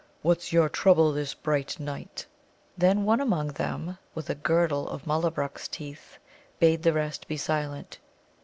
What's your trouble this bright night?" Then one among them, with a girdle of Mulla bruk's teeth, bade the rest be silent.